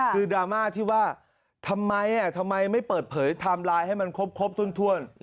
คือดราม่าที่ว่าทำไมทำไมไม่เปิดเผยไทม์ไลน์ให้มันครบถ้วน